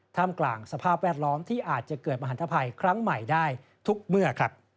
มกลางสภาพแวดล้อมที่อาจจะเกิดมหันตภัยครั้งใหม่ได้ทุกเมื่อ